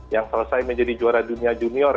yang selesai menjadi juara dunia junior